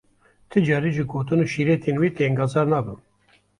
Ti carî ji gotin û şîretên wê tengezar nabim.